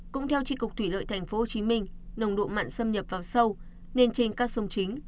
cũng theo tri cục thủy lợi tp hcm nồng độ mạng xâm nhập vào sâu nền trên các sông chính